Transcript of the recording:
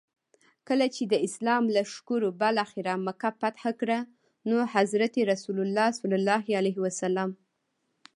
کله چي د اسلام لښکرو بالاخره مکه فتح کړه نو حضرت رسول ص.